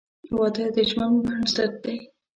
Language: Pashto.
• واده د ژوند بنسټ دی.